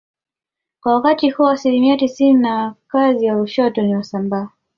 Kwa wakati huo asilimia tisini ya wakazi wa Lushoto ni Wasambaa